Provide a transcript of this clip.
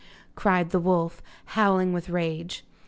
cried the wolf, howling with rage.